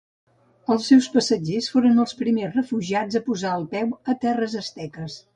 Els seus passatgers foren els primers refugiats a posar el peu a terres asteques.